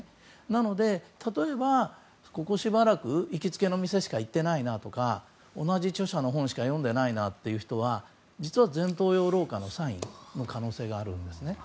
なので、例えばここしばらく行きつけの店しか行ってないなとか同じ著者の本しか読んでないなという人は実は前頭葉老化のサインの可能性があるんですね。